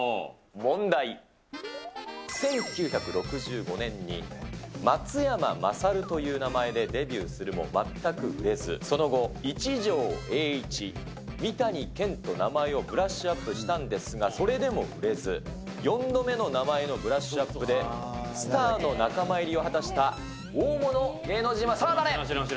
問題、１９６５年に、松山まさるという名前でデビューするも全く売れず、その後、一条英一、三谷けんと名前をブラッシュアップしたんですが、それでも売れず、４度目の名前のブラッシュアップでスターの仲間入りを果たした大物芸能人は、さあ誰？